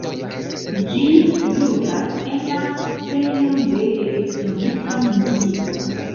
Ĝi ludas en la sceno de elektronika muziko.